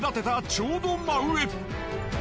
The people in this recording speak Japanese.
ちょうど真上。